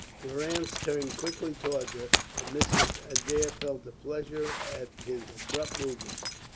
Durrance turned quickly towards her, and Mrs. Adair felt a pleasure at his abrupt movement.